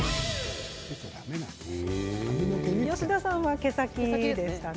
吉田さんは毛先でしたね。